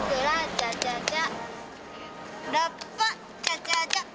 チャチャチャ。